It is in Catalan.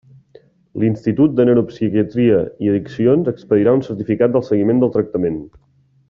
L'Institut de Neuropsiquiatria i Addiccions expedirà un certificat del seguiment del tractament.